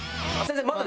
まだ？